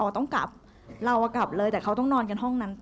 ต้องกลับเรากลับเลยแต่เขาต้องนอนกันห้องนั้น